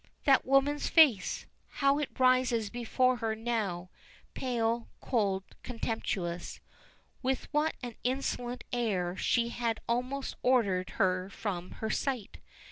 That woman's face! How it rises before her now, pale, cold, contemptuous. With what an insolent air she had almost ordered her from her sight.